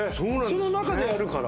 その中でやるから。